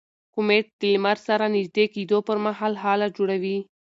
کومیټ د لمر سره نژدې کېدو پر مهال هاله جوړوي.